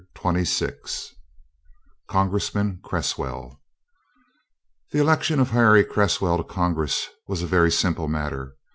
Twenty six CONGRESSMAN CRESSWELL The election of Harry Cresswell to Congress was a very simple matter.